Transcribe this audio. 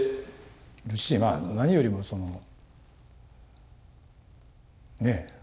るしまあ何よりもそのね？